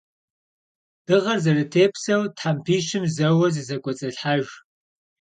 Dığer zeratêpseu thempişım zeue zızek'uets'alhhejj.